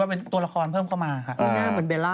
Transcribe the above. แสบภาพคนนี้นะขอร้อน